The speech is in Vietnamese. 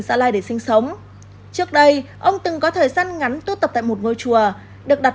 gia lai để sinh sống trước đây ông từng có thời gian ngắn tuốt tập tại một ngôi chùa được đặt